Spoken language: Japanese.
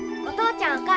お母ちゃん。